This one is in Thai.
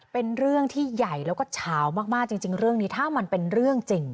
เป็นเรื่องที่ใหญ่แล้วก็เฉามากจริงเรื่องนี้ถ้ามันเป็นเรื่องจริง